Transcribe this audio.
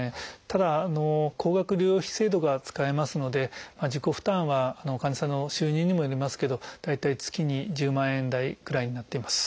ただ高額療養費制度が使えますので自己負担は患者さんの収入にもよりますけど大体月に１０万円台くらいになっています。